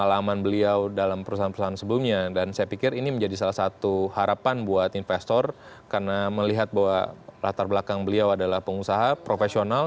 pengalaman beliau dalam perusahaan perusahaan sebelumnya dan saya pikir ini menjadi salah satu harapan buat investor karena melihat bahwa latar belakang beliau adalah pengusaha profesional